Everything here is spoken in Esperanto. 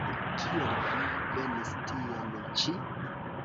Kiel vi venis tien-ĉi?